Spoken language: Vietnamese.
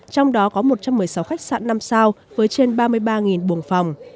trong đó có một trăm một mươi sáu khách sạn năm sao với trên ba mươi ba buồng phòng